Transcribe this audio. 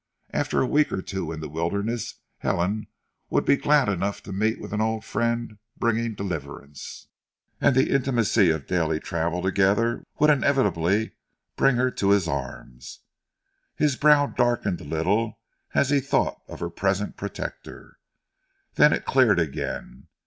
After a week or two in the wilderness Helen would be glad enough to meet with an old friend bringing deliverance, and the intimacy of daily travel together would inevitably bring her to his arms. His brow darkened a little as he thought of her present protector. Then it cleared again.